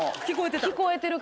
聞こえてた？